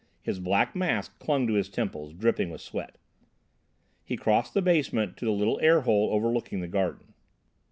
His black mask clung to his temples, dripping with sweat. He crossed the basement to the little air hole overlooking the garden.